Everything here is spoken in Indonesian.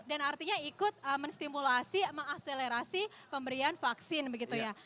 dan artinya ikut menstimulasi mengakselerasi pemberian vaksin begitu ya